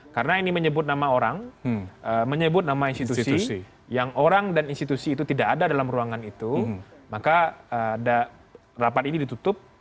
karena ini menyebut nama orang menyebut nama institusi yang orang dan institusi itu tidak ada dalam ruangan itu maka rapat ini ditutup